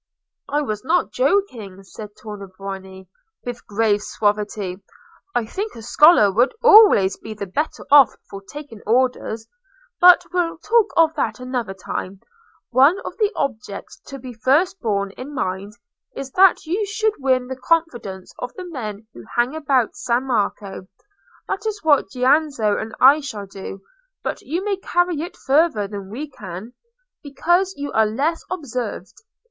"I was not joking," said Tornabuoni, with grave suavity; "I think a scholar would always be the better off for taking orders. But we'll talk of that another time. One of the objects to be first borne in mind, is that you should win the confidence of the men who hang about San Marco; that is what Giannozzo and I shall do, but you may carry it farther than we can, because you are less observed.